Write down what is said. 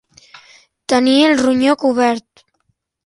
Tenir el ronyó cobert.